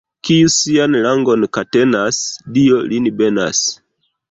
Kiu sian langon katenas, Dio lin benas.